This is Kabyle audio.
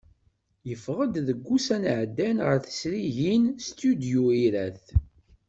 Yeffeɣ-d deg ussan iɛeddan ɣer tezrigin Studyu Irath.